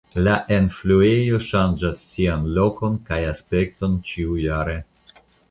La enfluejo ŝanĝas sian lokon kaj aspekton ĉiujare.